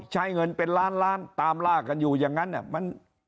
ใช้เงินเป็นล้านล้านตามล่ากันอยู่อย่างนั้น